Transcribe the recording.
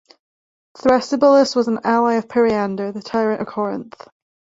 Thrasybulus was an ally of Periander, the tyrant of Corinth.